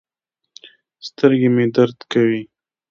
سترګې مې درد کوي